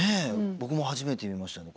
僕も初めて見ましたね